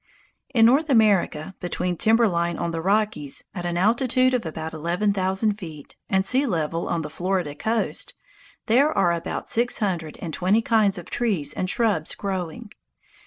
In North America between timber line on the Rockies, at an altitude of about eleven thousand feet, and sea level on the Florida coast, there are about six hundred and twenty kinds of trees and shrubs growing.